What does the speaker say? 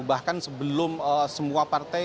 bahkan sebelum semua partai